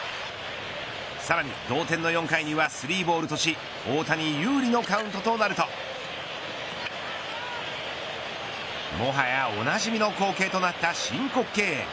さらに同点の４回には３ボールとし大谷有利のカウントとなるともはや、おなじみの光景となった申告敬遠。